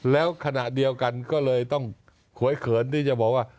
แล้วขณะเดียวกันก็เลยต้องหวยเขินที่จะบอกว่า